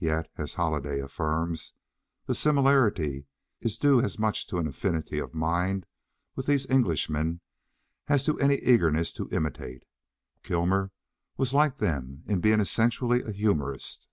Yet, as Holliday affirms, the similarity is due as much to an affinity of mind with these Englishmen as to any eagerness to imitate. Kilmer was like them in being essentially a humorist.